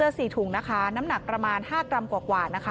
รู้ว่าจะเอาไปปลูก